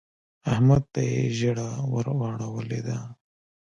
احمد ته يې ژیړه ور واړولې ده.